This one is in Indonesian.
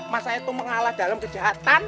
mas said itu mengalah dalam kejahatan